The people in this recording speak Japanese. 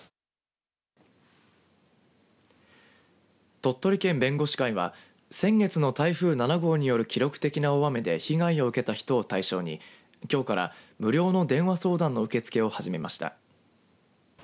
鳥取県弁護士会は先月の台風７号による記録的な大雨で被害を受けた人を対象にきょうから無料の電話相談の受け付けを始めました。